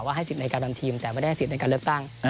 ให้สิทธิในการทำทีมแต่ไม่ได้สิทธิ์ในการเลือกตั้ง